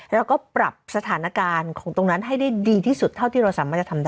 แล้วก็ปรับสถานการณ์ของตรงนั้นให้ได้ดีที่สุดเท่าที่เราสามารถจะทำได้